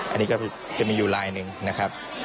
อันนี้ก็จะมีอยู่ลายหนึ่งนะครับ